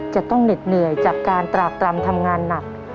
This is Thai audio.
จะต้องเหน็ดเหนื่อยจากการตรากตรำทำงานหนัก